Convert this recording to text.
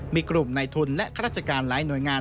มีกลุ่มในทุนและข้าราชการหลายหน่วยงาน